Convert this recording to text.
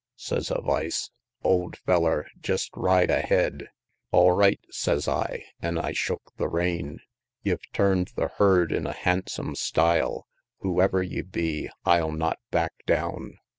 Sez a vice, "Old feller, jest ride ahead!" "All right!" sez I, an' I shook the rein. "Ye've turn'd the herd in a hansum style Whoever ye be, I'll not back down!"